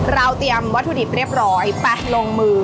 เราเตรียมวัตถุดิบเรียบร้อยไปลงมือ